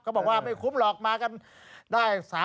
บอกว่าไม่คุ้มหรอกมากันได้